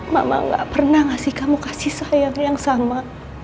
mama gak pernah ngasih kamu kasih sayang yang sama